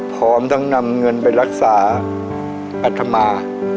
พร้อมทั้งนำเงินไปรักษาอัธมา